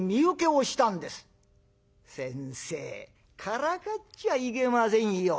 「先生からかっちゃいけませんよ。